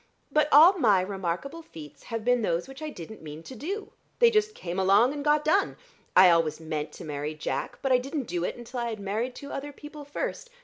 But all my remarkable feats have been those which I didn't mean to do. They just came along and got done. I always meant to marry Jack, but I didn't do it until I had married two other people first.